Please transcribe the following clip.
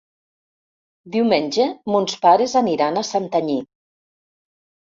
Diumenge mons pares aniran a Santanyí.